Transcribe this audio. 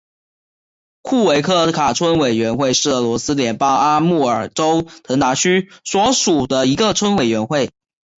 库维克塔村委员会是俄罗斯联邦阿穆尔州腾达区所属的一个村委员会。